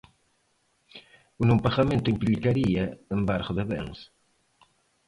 O non pagamento implicaría embargo de bens.